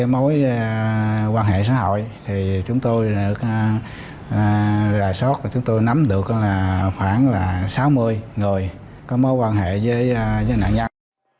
với quan hệ xã hội chúng tôi nắm được khoảng sáu mươi người có mối quan hệ với nạn nhân